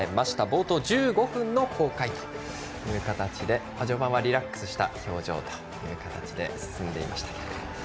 冒頭１５分の公開という形で序盤はリラックスした表情で進んでいましたけど。